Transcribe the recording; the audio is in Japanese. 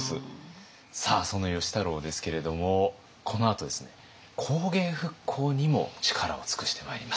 さあその芳太郎ですけれどもこのあとですね工芸復興にも力を尽くしてまいります。